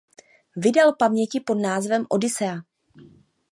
Vydal paměti pod názvem "Odyssea".